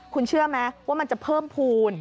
คุณเชื่อไหมว่ามันจะเพิ่มภูมิ